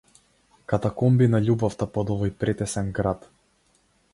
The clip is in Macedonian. Катакомби на љубовта под овој претесен град.